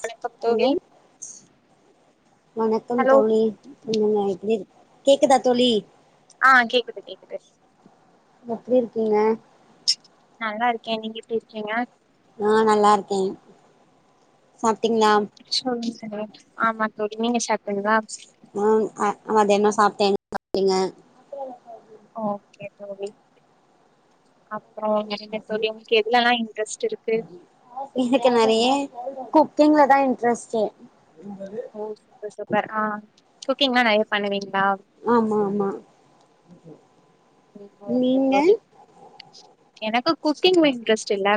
வணக்கம் ஹலோ தோழி வணக்கம் ஹலோ தோழி நீங்க எப்டி கேக்குதா தோழி ஆஹ் கேக்குது கேக்குது எப்டி இருக்கீங்க நல்லா இருக்கே நீங்க எப்டி இருக்கீங்க நா நல்லா இருக்கேன் சாப்ட்டீங்களா சொல்லுங்க ஆமா தோழி நீங்க சாப்டீங்களா உம் அ மதிய என்ன சாப்ட்டிங் சாப்டிங்க ஓகே தோழி அப் இன்ட்ரெஸ்ட் இருக்கு எனக்கு நெறைய குக்கிங்லதா இன் ரஸ்டு [inaudible] ஆஹ் குக்கீங்லா நெறைய பண்ணுவீங் ஆமா ஆமா [inaudible] நீங்க தோழி எனக்குக் குக்கிங்ல இன்ட்ரெஸ்ட் இல்ல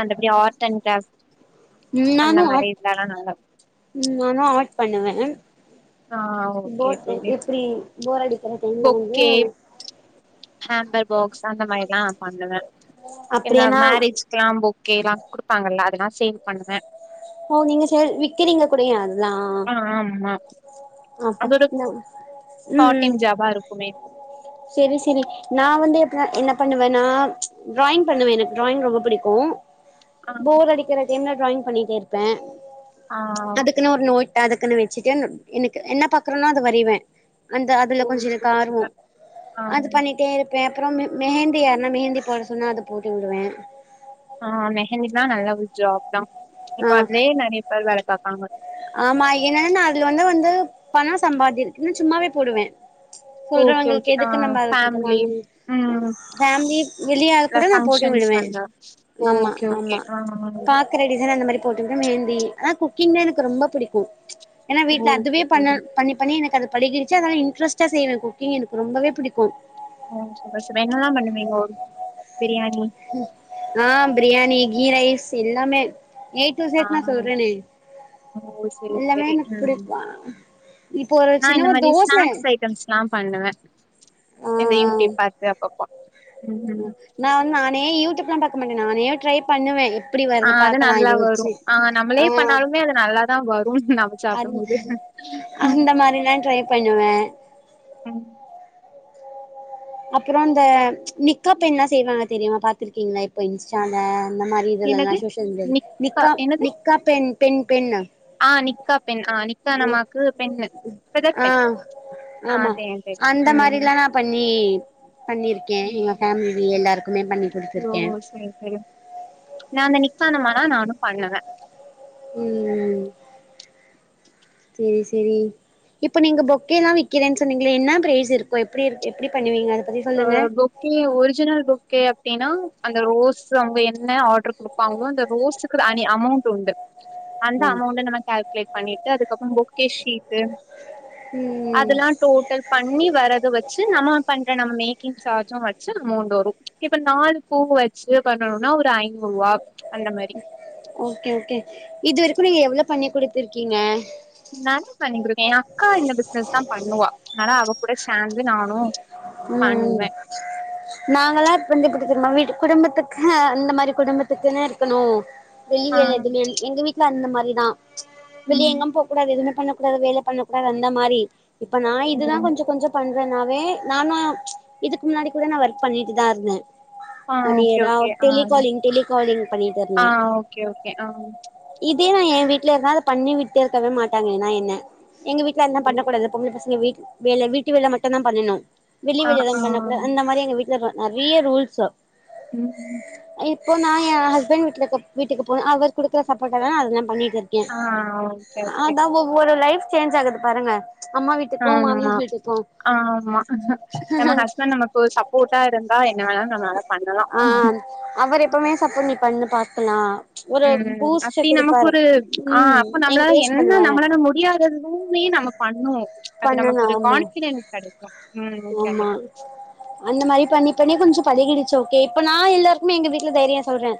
மத்த படி ஆர்ட் அண்ட் கிராப்ட் அந்த நானு மாரி ஆர்ட் இதுலல்லா நல்லா ஆ போ ஓகே தோழி எப்படி போரடி க்கற டைம்ல வந்து பொக்கே ஹேம்பர் பாக்ஸ் அந்த மாரிலா பண்ணுவ இந்த அப்டியனா மேரேஜ்க்கலாம் பொக் கேலா குடுப்பாங்கல்ல அதெல்லா சேல் பண்ணுவ ஓ நீங்க சேல் விக்கிறீங்க கூடயு அத்தா ஆ ஆமா அப்ப அது ஒரு ம் பார்ட் ம் டைம் ஜாபா இருக்குமே செரி செரி நா நா வந்து இப்ப என்ன பண்ணுவேன்னா ட்ராயிங் பண்ணுவே எனக்கு ட்ராயிங் ரொம்ப பிடிக்கு ஆ போர் அடிக்குற தேன்னா ட்ராயிங் பண்ணிகிற ப்பே ஆ ஓகே அதுக்குன்னு ஒரு ஓகே நோட்டு் அதுக்குன்னு வெ ச்சுட்டு எனக்கு என்ன பாக்குறனோ அது வரைவே அந்த அதுல ஓ கொஞ்சோ எனக் சூப்பர் ஆர்வோ சூப்பர் ஆ அது பண்ணிட்டே இருப்பே அப்றமே மெஹந்தி யார்ன்னா மெஹந்தி போட சொன்னா அது போட்டு உடுவே ஆ மெஹந்தினா நல்ல ஒ ஜாப் தா இப்ப ஆ அதுலயே நெறைய பேர் வேல பாக்கறாங்க ஆமா ஏனா நா அதுல வந்து வந்து பணம் சம்பாதி இல்ல சும்மாவே போடுவ ஓகே சொல்றவங்களுக்கு ஓகே ஆ எதுக்கு நம்ப இது ஃபேமிலி வாங்கணு ம் ஃபேம்லி வெளியாளுக்கூட நா போட்டு ஃபங்க்ஷன்ஸ் விடுவே வந்தா ஆம்மா ஓகே ஓகே ஆம்மா ஆ பாக்கற டிசைன் அந்த மாரி போட்டு விடுவே மெஹந்தி அ குக்கிங்னா எனக் ரொம்ப பிடிக்கு ஏனா வீட்ல ஓகே அதுவே பண்ண தோழி பண்ணி பண்ணி எனக்கு அது பழகிடு ச்சு அதா இன்ட்ரெஸ்டா செய்வே குக்கிங் எனக்கு ரொம்பவே புடிக்கு ஓ [unintelligible] என்னலா பண்ணுவீங்கோ ம் ஆ பிரியாணி கீ ரைஸ் எல்லாமே ஏ டூ ஆ சட் நா சொல்றேனே ஓ செரி எல்லாமே செரி எனக் ம் புடிக்வா இப்போ ஒரு சின்ன ஒர் தோச பண்ணுவ ஆ இந்த ஆ யூடியூப் பாத்து அப்பப் நா வந் ந னே யூடுப்ல்லா பாக்க மாட்ட நானே ட்ரை பண்ணுவெ ஆ அத நல்லா வரு ஆ நம்மளே பண்ணாலுமே அது நல்லாதா வரு நம அந் சாப்டும்போது அந்த மாரிலா ட்ரை பண்ணுவே ஹ்ம் அப்றோ ந்த நிக்கா பென்னா செய்வாங்க தெரியுமா பாத்துருக்கீங்ளா இப்ப இன்ஸ்டால அந்த மாரி இதுலல்லா என்னது ஷோஷ்யல் மீடியால நிக்கா நிக்கா பெண் பெண் பெண் ஆ நிக்கா பெண் ஆ நிக்கா நமாக்கு பெண்ணு ஃபெதர் ஆ பெண் ஆ ஆமா தெரியு தெரியு அந்த ம். மாரில்லா நா பண்ணி பண்ணிருக்கே எங்க ம். ஃபேம்லி எல்லாருக்குமே பண்ணி ஓ குடுத்துருக்கே சேர் செரி நா அந்நநி க்சானமானா நானு பண்ணுவ ம் கேசிரி இப்ப நீங்க பொக்கேல்லா விக்கிறேன் சொன்னீங்ளே என்ன ப்ரேஸிருக்கு எப்டி இர் எப்டி பண்ணுவீங்கத ஆ பொக்கே ஒரிஜினல் பொக்கே அப்டின்னா அந்த ரோஸ் ஸு அவுங்க என்ன ஆட்ரு குடுப்பாங்ளோ அந்த ரோஸுக்கு அனி அமௌண்ட்டுண்டு அந்த ம் அமௌண்ட நம்ம கேல் க்லேட் பண்ணிட்டு அதுக்கப்பறோ பொக்கே ஷீட்டு ம் அதுல்லா டோட்டல் பண்ணி வரது வச்சு நம்ம பண் நம்ம மேக்கிங் சார்ஜு வச்சு அமௌண்ட் வரு இப்ப நாலு பூ வச்சு பண்ணனுனா ஒரு ஐநூ ரூவா ஓகே ஓகே இதுவ துல எவ்ளோ பண்ணி குடுத்துர்க்கீங்க நெறய பண்ணி குடு எ அக்கா இந்த பிஸ்னஸ்தா பண்ணுவா அனாலா அவ கூட சே ம் ம் நாங்கல்லா இப்பந்து கு [unintelligible] குடும்பத்துக்க அந்த மாரி குடும்பத்துக்குனே இருக்கணு வெளி ஆ வேல எதுமே எங்க வீட்ல அந்த மா ரிதா வெளிய ம் எங்கம் போ கூடாது எதுமே பண்ணக் கூடாது வேல பண்ண கூடாது அந்த மாரி இப்ப நா இதுதா ம் கொஞ்சொ கொஞ்சொ பண் ற நாவே நானு இதுக் முன்னாடி கூட நா வொர்க் பண்ணிட்டுதா இருந்த ஆ ஒன் ஓகே இயரா ஓகே ஆ டெலிகாலிங் டெலிகாலிங் பண்ணிட்டிருந்த ஆ ஓகே ஓகே ஆ இ ப்பயு நா என் வீட்ல இருந்தா அத பண்ணி விட்டிருக்கவே மாட்டாங்க நா என்ன எங் வீட்ல என்னா ம் பண்ணகூடாது பொம்பள பசங்க வீட் வேல வீட்டு வேல மட் டுந்தா பண்ணணு வெளி ஆ வேல ஆ எதும் பண்ண கூடா அந்த மாரி எங்க வீட் [unintelligible] நறைய ரூல்ஸு ம் ஹ் ம் இப்போ நா என் ஹஸ்பண்ட் வீட்ல போ வீட்டுக்கு போன அவர் குடுத்த சப்போர்ட்ல தா அதுலா பண்ணிட் ருக்கே ஆ ஓகே ஓகே அத வொ வோட லைஃப் சேஞ்சாகுது பாருங்க அம்மா வீட்டுக்கு ஆமா மாமியார் வீட்டுக்கு ஆமா நம்ம ஹஸ்பண்ட் நமக்கொரு சப்போர்ட்டா இருந்தா என்ன வேணால் ஆஹ் அவர் எப்பமே சப்போர்ட் நீ பண்ணு பாக்கலாம் உம் அப்படி நமக்கு ஒரு ஆஹ் ம் அப்போ நம்மள என்கரேஜ் என்ன பண்ணுவாரு நம்மளால முடியாததுமே நம்ம பண்ணுவோம் அது பண்ணலா நமக்கு ஒரு ஆமா கான்பிடன்ஸ் கிடைக்கு உம் கண்டிப்பா கொஞ்ச கொஞ்ச பழகிடுச்சு ஓகே இப்ப நான் எல்லாருக்குமே எங்க வீட்டுல தைரியம் சொல்றேன்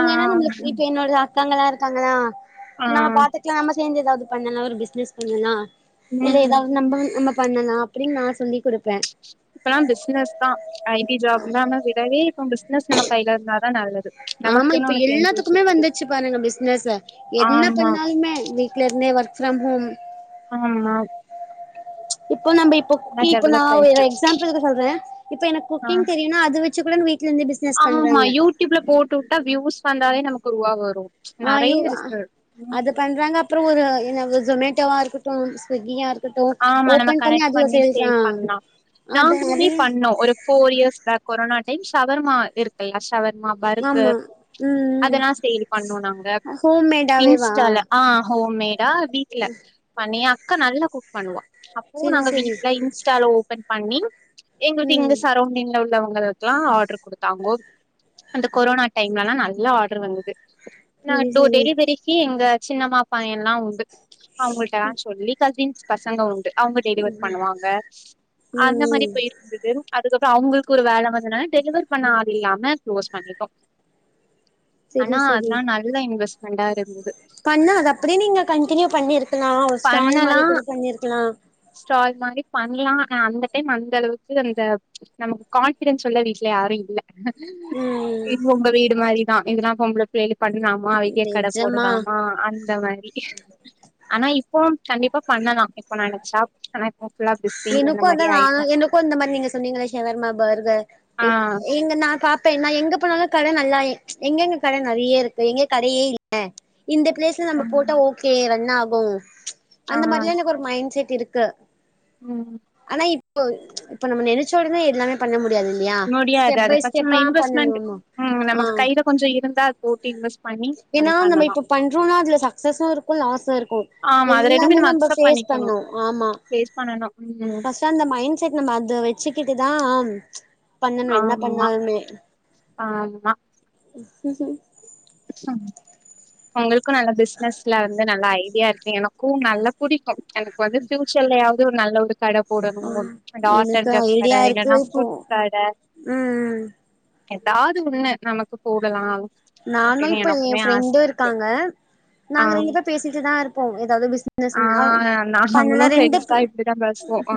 ஆ ஏன்னா நம்மளுக்கு இப்ப என்னோட இருக்காங்களா இருக்காங்களா ஆ நம்ம பாத்துக்லாம் நம்ம சேந்து எதாவது பண்ணலாம் ஒரு பிசினஸ் பண்ணலாம் இல்ல ம் ஏதாவது நம்ம நம்ம பண்ணலாம் அப்படின் நான் சொல்லி குடுப்பேன் இப்பல்லாம் பிசினஸ் தான் ஐடி ஜாப் தான் விடவே இப்ப பிசினஸ் நம்ம கையில இருந்தாதான் நல்லது ஆமா நமக்குன்னு இப்ப ஒன்னு தெரிஞ்சு எல்லாத்துக்குமே வச்சிருக்குது வந்துச்சு பாருங்க பிசினஸ் என்ன ஆமா பண்ணாலுமே வீட்ல இருந்தே ஒர்க் [unintelligible] ஆமா இப்போ ந இப்ப குக்க் நல்லா இப்ப டெவலப் நான் ஆயிட்டு எக்ஸாம்பிள் சொல்றேன் இப்ப எனக்கு ஆ குக்கிங் தெரியும்னா அது வச்சு கூட வீட்ல இருந்து பிசினஸ் ஆமா பண்றாங்க ரூபா வரும் ஆஹ் ய அது பண்றாங்க அப்புறம் ஒரு ஜொமேட்டோ மோட்டோவா இருக்கட்டு ஸ்விக்கியா இரு ஆமா நம்ம கனெக்ட் பண்ணி சேல் பண்லாம் அது நாங்களுமே அது பண்ணோம் ஒரு four years back corona time shawarma இருக்குல்ல ஷவர் மா ஆமா பர்கர் ம் ம் அதெல்லா சேல் பண்ணோ நாங்க ஹோம்மேடாவேவா இன்ஸ்டால ஆ ஹோம்மேட் டா வீட்ல பனியா க்க நல்ல கு பண்ணுவா அப்போ செரி நாங்க செரி வீட்ல இன்ஸ்டால ஓபன் பண்ணி எங்கள்கு இங்க ம் சரௌண்டிங்ல உள் லாவங்களுக்குல்லா ஆர்டர் குடுத்தாங்கோ அந்த கொரோனா டைம்லலா நல்ல ஆர்டர் வந்துது நா செரி தோ செரி டெலிவெரிக்கி எங்க சின்னமா பையல்லா உண்டு அவங்கள்ட்ட சொல்லி கசின் பசங்க உண்டு அவுங்க டெலிவர் பண்ணுவாங்க ம் அந்த மாரி ம் போயிருந்துது அத் துக்கப்றோ அவுங்கள்க்கு ஒரு வேல வந்தனால டெலிவர் பண்ண ஆளில்லாம க்ளோஸ் பண்ணிட்டோ செரி ஆனா செரி அத்லா நல்ல இன்வெஸ்ட் ரெண்டாயிரோ இர்ந்தது பண்ணா அது அப்டியே நீங்க கன்டினியூ பண்ணிருக் க்லா ஒர் ஸ்டால் பண்ணலா மாரி கூட பண்ணிருக்கலா ஸ்டால் மாரி பண்லா அந்த டைம் அந்தளவுக்கு இந்த நமக்கு கான்ஃபிடென்ஸ் சொல்ல வீட்ல யாரூ இல்ல ம் இதுவூ உங்க வீடு மாரி ஆ இதுலா பொம்பள பிள்ளேலு பண்லாமா வெளிய கட நிஜமா போடலாமா அந் இந்த மாரி ஆனா இப் போ கண்டிப்பா பண்ணலா இப்ப நெனச்சா ஆனா இப்ப ஃபுல்லா பிஸி அந்த எனக்கூ மாரி அதா நானூ ஆயிட்டோ எனக்கூ இந்த மாரி நீங்க சொன்னீங்கல ஷவர்மா பர்கர் ஆ இப் இங்க நா பாப்பே நா ஈங்க போனாலூ கட நல்லா எங்கெங்க கட நெறயருக்கு எங்க கடயே இல்ல இந்த பிளேஸ்ல நம்ப போட்டா ம் ஓகே ரன்னாக் ஓ ஆ அந்த மாரிலா எனக்கொரு மைண்ட் செட் டிருக்கு ம் இப்பு இப்ப நம்ம நெனச்சோடன எல்லாமே பண்ண முட் டியாதுலியா முடியாது ஸ்டெப் அது பை ஃபஸ்ட் நம்ம ஸ்டெப்பா இன்வெஸ்ட்மெண்ட் பண்ணணோமோ ம் ஆ நமக்கு கையில கொஞ்சோ இருந்தா அது போட்டு இன்வெஸ்ட் பண்ணி ஏனா நம்ம பண்ணலா இப்ப பண்றோனா அதுல சக்சஸுருக்கூ லாஸுருக்கூ ஆமா அது ரெண்டுமே எல்லாமே நம்ம அக்செப்ட் ஃபேஸ் பண்ணிக்கணு பண்ணூ ஆமா ஃபேஸ் பண்ணணு ம் ஃபர்ஸ்ட் அந்த மைண்ட செட் நம்ம அத வெச்சுக்கிட்டுதான் ஆம் பண்ணணும் யென்ன ஆமா பண்ணாலுமே ஆமா ம் ஹூம் [unintelligible] நல்ல பிசினஸ்ல யிது நல்ல ஐடியாருக்கு எனக்கு நல்லா புடிக்கும் எனக்கு வந்து டியூஷன்ல யிது நல்லது கட போடணும் அ ஆர்ட் [unintelligible] எனக்கு அண்ட் கட ஐடியா இருக்கு யில்லன்னா இப்போ ப்ரூட் கட ம் யேதாவது ஒண்ணு நமக்கு போடலாம் யிப்பம் ஃப்ரெண்டுருக்காங்க ஆ நாங்க ரெண்டுபேரும் பேசிட்டு இருப்போம் ஏதாவது பிஸ் ஆ [unintelligible] நாங்களு பண்ணலாம் ரெண்டு ஃப்ரெண்ட்ஸா இப்டிதா பேசுவோ ஆ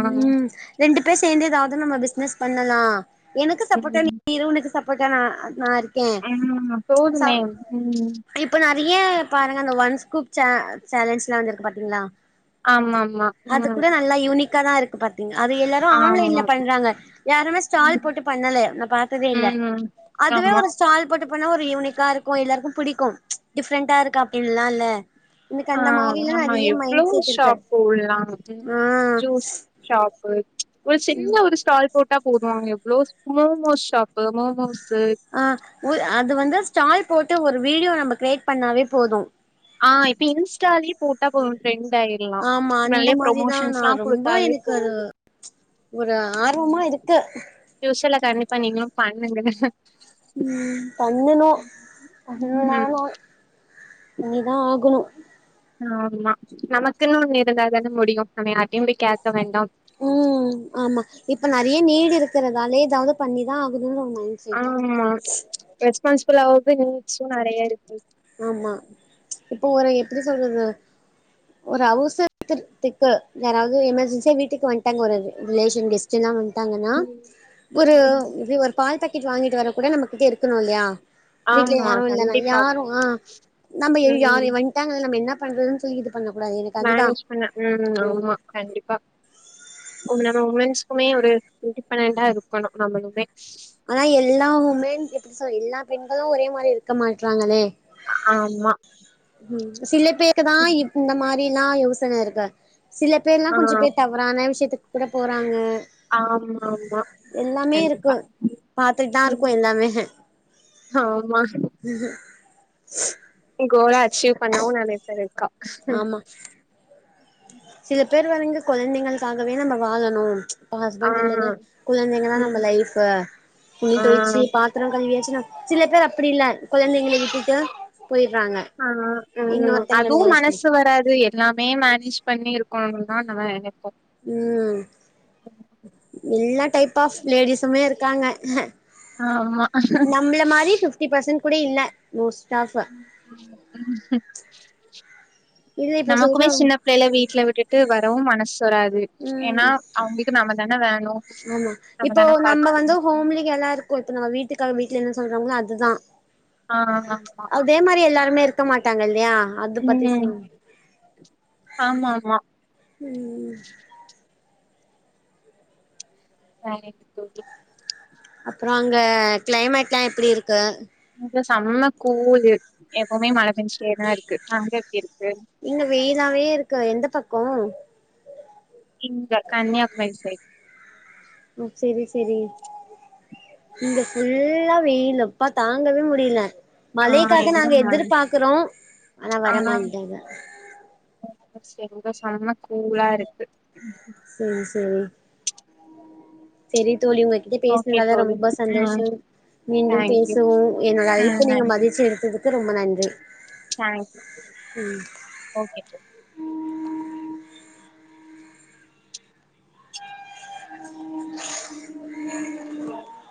பேரும் சேர்ந்ததாவது பிசினஸ் பண்ணலாம் எனக்கு சப்போர்ட்டா நீ உனக்கு சப்போ இப்ப [unintelligible] உஹம் அப்றம் சப் இப்ப நிறைய பாருங்க ஒன்ஸ்கப் சேலஞ்ச்லாம் வந்துருக்கு பாத்தீங்களா ஆமாமா அது ம் கூட நல்லா யூனிக்கா தான் இருக்கு பத்து அது எல்லாரும் ஆமா ஆன்லைன்ல பண்றாங்க யாருமே ஸ்டால் ம் போட்டு பண்ணல பார்த்ததே இல்ல ம் அதுவே ஆமா ஒரு ஸ்டால் போட்டு பண்ண ஒரு யூனிக்கா இருக்கும் எல்லாருக்கும் பிடிக்கும் டிஃப்ரெண்டா இருக்கு அப்படின்ல்லாம் இல்ல எனக்கு அந்த ஆஹ் மாரிலா ஆமா நெறைய மைண்ட் எவ்வளவு செட் இருக்கு ஷாப் உள்ளலாம் ஆ ஜூஸ் ஷாப்பு ஒரு சின்ன ஒரு ஸ்டால் போட்டு போ வருவாங்க எவ்வளோ மோமோஸ் ஷாப்பு மோமோஸ் ஆஹ் அது வந்து ஸ்டால் போட்டு ஒரு வீடியோ நம்ம கிரியேட் பண்ணாவே போதும் ஆஹ் இப்ப இன்ஸ்டாலய போட்டா போதும் ட்ரெண்ட் ஆயிர்லா ஆமா அந்த நெறைய மாதிரிதா ப்ரொமோஷன்ஸ்லா நான் ரொம்ப குடுத்தாலே எனக்கு அது போது ஒரு ஆர்வமா இருக்கு நீங்களும் பண்ணுங்க உம் ப என்னனும் ம் [unintelligible] நீதான் ஆகணும் ஆமா நமக்குன்னு ஒண்ணு இருந்தா தானே முடியும் நம்ம யாரிட்டயையும் போய் கேக்க வேண்டாம் உம் ஆமா இப்ப நறைய நீடி இருக்கு இருக்கரதாலே ஏதாவது பண்ணிதான் ஆகணோ ஆமா ரெஸ்பான்ஸ் இப்பலது நீச்சும் நறைய இருக்கு ஆமா இப்போ ஒரு எப்டி சொல்றது ஒரு அவசரத்துக்கு யாராவது எமர்ஜென்சியா வீட்டுக்கு வந்துட்டாங்க ஒரு ரிலேஷன் கஸ்ட் எல்லாம் வந்து டாங்கன்னா ம் ஒரு ம் ஒரு பால் பாக்க ட் வாங்கிட்டு வர கூட நம்மகிட்ட இருக்கணும்ல்லையா வீட்ல ஆமா யாரும் கண்டிப்பா இல்லதானாயாரும் ஆ நம்ம யார ம் வந்துட்டாங்க நம்ம என்ன பண்றதுன்ன சொல்லிது மேனேஜ் பண்ண உம் ஆமா கண்டிப்பா நம் வூமன்ஸா ஒரே ஒரு இண்டிபெண்டண்டா இருக்கணும் நம்மளுமே ஆனா எல்லாவுமே எப்டி சொல்லா எல்லா பெண்களு ஒரே மாரி இருக்க மாட்றாங்களே ஆமா ம் சிலே பேறு தான் இப்ப இந்த மாரி இப்டில்லாம் யோசனை இருக்கு சில பேர்லா ஆ கொஞ்சம் பேர் தவறான விஷயத்தக்கு கூட போறாங்க ஆமா ஆமா எல்லாமே கண்டிப்பா இருக்கு பாத்துட்டு தா இருக்கோ ம் எல்லாமே ஆமா கோல்ல அச்சீவ் பண்ணவும் நறைய பேர் இருக்கா ஆமா சில பேர் வந்து கொழந்தைங்களுக்கவே நம்ம வாழணு ஆ ஹஸ்பண்ட் [unintelligible] குழந்தைங்க தான் நம்ம ம் லைஃப் துணி தோயிச்சு ஆ பாத்திரம் களிவியாச் சில பேர் அப்டி இல்ல குழந்தைங்கள வீட்டுட்டு ஆ ம் அதுவும் மேரேஜ் பண்ணி மனசு வராது எல்லாமே மேனேஜ் பண்ணிர் கொழம்புனா நான் நேனப்ப ம் எல்லா டைப் ஆஃப் லேடிஸுமே இருக்காங்க ஆமா நம்மள மாரி ஃபிப்டி பேர்சன்ட் அப்டி இல்ல நியூஸ் இல்ல இப்போ நமக்குமே சொல்றோம் சின்ன பிள்ளைலே வீட்டுல விட்டுட்டு வர ரவும் மனசு வராது ம் ஏன்னா அவங்களுக்கு நம்மதா என்ன வேன் ஆமா இப்போ நம்ம வந்து ஹோம்லி கேர்ல்லா இருக்கோ இப்ப நம்ம வீட்டுக்கு கெளம்பிட்டு என்ன சொல்றாங்களோ அதுதா ஆ ஆமா அதே மாரி எல்லாருமே இருக் க்க மாட்டாங்க இல்லையா அது பத்தி ம் சொல்லுங்க ஆமா ஆமா ம் வேற என்ன தோழி அப்புறோ அங்க கிளைமேட்லா எப்படி இருக்கு இங்க செம்ம கூழு எப்பமே மழ பெஞ்சுடேதா இருக்கு அங்க எப்டி இரு இங்க வெய்லாவே இருக்கு எந்த பக்க ம் இங்க கன்னியாகுமரி சைட் ம் சரி சரி இங்க ஃபுல்லா வெயிலு ப்பா தாங்கவே முடில. ஆ மழைக்காக எங்க நாங்க மழ எதிர்பாக்றோம் அனா ஆ வரமாட்டிது. இங்க செம்ம செம்ம கூலாருக்கு. செரி செரி செரி தோழி உங்ககிட்ட ஓகே பேசுனதால தோழி ரொம்ப ம் சந்தோஷம். மீண்டும் தேங்க்யூ பேசுவோம். என்னோட ஆ அழைப்பு நீங்க மதுச்சி எடுத்ததுக் க ரொம்ப நன்றி தாங்க்யூ ஓக்கே தோழி